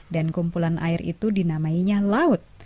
dan kumpulan air itu dinamainya laut